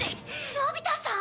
のび太さん？